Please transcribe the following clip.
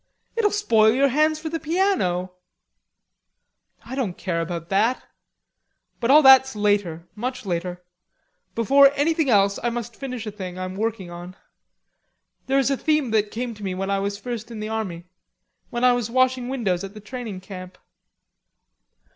"It'll spoil your hands for the piano." "I don't care about that; but all that's later, much later. Before anything else I must finish a thing I am working on. There is a theme that came to me when I was first in the army, when I was washing windows at the training camp."